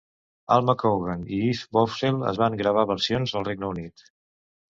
Alma Cogan i Eve Boswell en van gravar versions al Regne Unit.